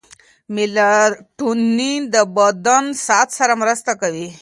میلاټونین د بدن ساعت سره مرسته کوي.